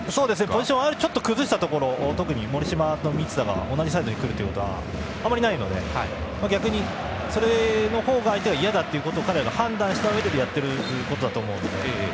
ポジションをちょっと崩したところ特に森島と満田が同じサイドに来ることはあまりないので逆にそのほうが相手が嫌だと彼らが判断したうえでやっていることだと思うので。